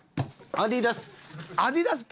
アディダス。